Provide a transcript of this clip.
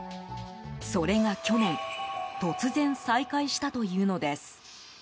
それが去年突然、再開したというのです。